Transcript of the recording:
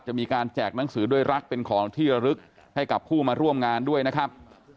จะมีการแจกหนังสือด้วยรักเป็นของที่ระลึกให้กับผู้มาร่วมงานด้วยนะครับ